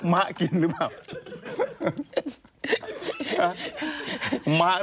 มะกินหรือเปล่า